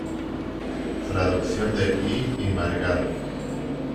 Traducción de Pi y Margall.